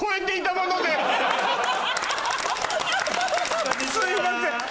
すいません。